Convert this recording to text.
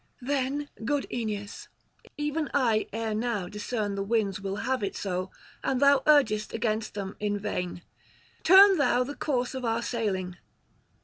Then good Aeneas: 'Even I ere now discern the winds will have it so, and thou urgest against them in vain. Turn thou the course of our sailing.